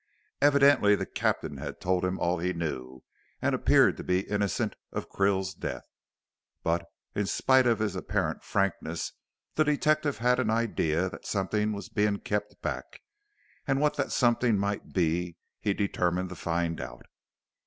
Evidently the captain had told him all he knew, and appeared to be innocent of Krill's death. But, in spite of his apparent frankness the detective had an idea that something was being kept back, and what that something might be, he determined to find out.